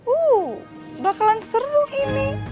uh bakalan seru ini